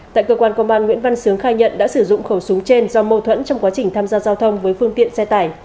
tại cơ quan công an nguyễn văn sướng khai nhận đã sử dụng khẩu súng trên do mâu thuẫn trong quá trình tham gia giao thông với phương tiện xe tải